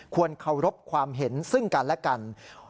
เคารพความเห็นซึ่งกันและกัน